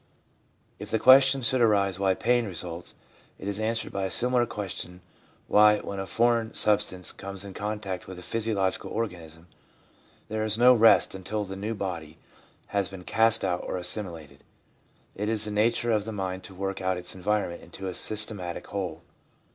If the question should arise why pain results, it is answered by a similar question why, when a foreign sub stance comes in contact with a physiological organism, there is no rest until the new body has been cast out or assimilated. It is the nature of the mind to work out its environment into a systematic whole.